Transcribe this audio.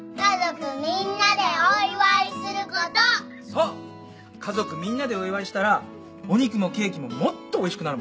そう家族みんなでお祝いしたらお肉もケーキももっとおいしくなるもんな。